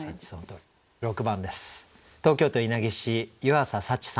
６番です。